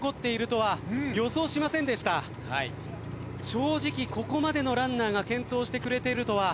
正直ここまでのランナーが健闘してくれてるとは。